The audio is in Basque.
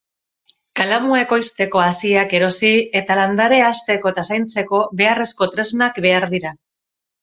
Kalamua ekoizteko hasiak erosi eta landarea hazteko eta zaintzeko beharrezko tresnak behar dira.